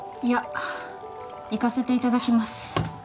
いや行かせていただきます